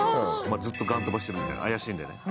ずっとガン飛ばしてるみたいね、怪しいんで。